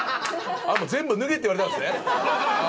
全部脱げって言われたんすね。